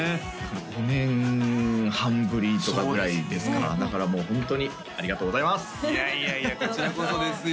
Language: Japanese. ５年半ぶりとかぐらいですかだからもうホントにありがとうございますいやいやいやこちらこそですよ